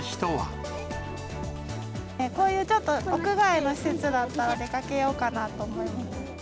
こういう、ちょっと屋外の施設だったので、出かけようかなと思います。